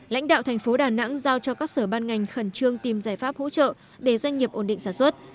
lãnh đạo thành phố đà nẵng giao cho các sở ban ngành khẩn trương tìm giải pháp hỗ trợ để doanh nghiệp ổn định sản xuất